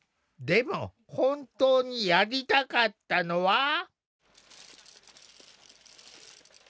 でも本当にやりたかったのは。